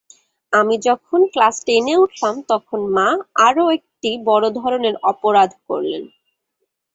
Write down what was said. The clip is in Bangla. আমি যখন ক্লাস টেনে উঠলাম তখন মা আরও একটি বড় ধরনের অপরাধ করলেন।